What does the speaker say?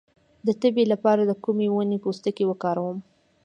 د تبې لپاره د کومې ونې پوستکی وکاروم؟